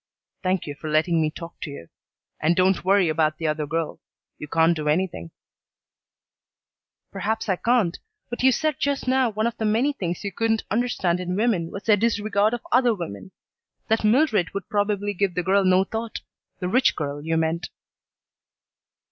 "Thank you for letting me talk to you. And don't worry about the other girl. You can't do anything." "Perhaps I can't, but you said just now one of the many things you couldn't understand in women was their disregard of other women. That Mildred would probably give the girl no thought. The rich girl, you meant."